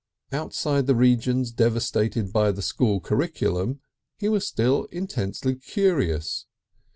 Outside the regions devastated by the school curriculum he was still intensely curious.